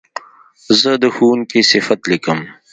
زه د ښوونکي صفت لیکم.